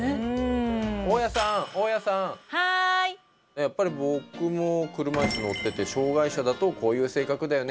やっぱり僕も車いす乗ってて障害者だとこういう性格だよね